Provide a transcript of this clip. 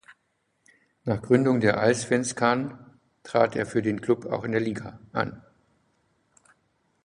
Nach Gründung der Allsvenskan trat er für den Klub auch in der Liga an.